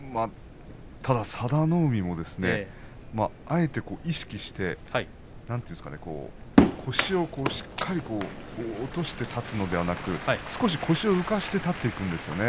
ただ佐田の海も意識して腰をしっかり落として立つのではなく腰を浮かして立っていくんですよね。